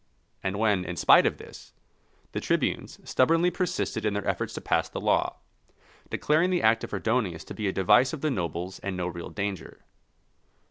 And when, in spite of this, the tribunes stubbornly persisted in their efforts to pass the law, declaring the act of Herdonius to be a device of the nobles and no real danger.